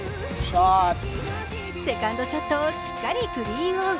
セカンドショットをしっかりクリーンオン。